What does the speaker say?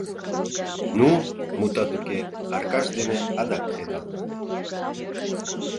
Ну, мутат уке, Аркаш дене адак кредална.